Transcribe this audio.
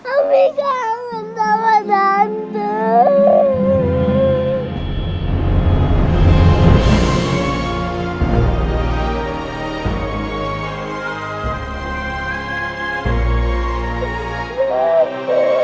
ami kangen sama nantu